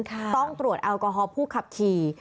ต้องตรวจแอลกอฮอล์ผู้ขับขี่